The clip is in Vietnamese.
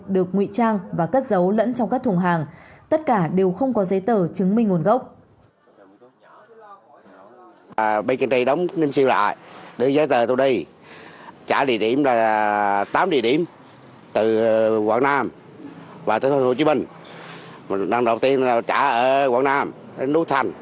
được nguy trang và cất giấu lẫn trong các thùng hàng tất cả đều không có giấy tờ chứng minh